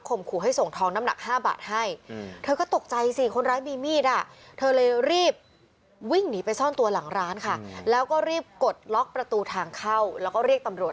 ข่มขู่ให้ส่งทองน้ำหนัก๕บาทให้